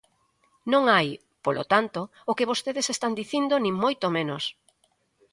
Non hai, polo tanto, o que vostedes están dicindo nin moito menos.